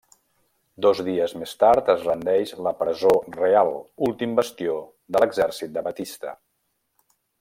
Dos dies més tard es rendeix la Presó Real, últim bastió de l'exèrcit de Batista.